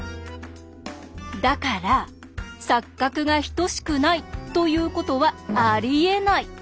だから錯角が等しくないということはありえない！